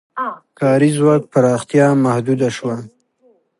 کاري ځواک پراختیا محدوده شوه.